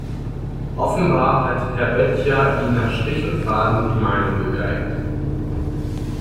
Offenbar hat Herr Böttcher ihm nach Strich und Faden die Meinung gegeigt.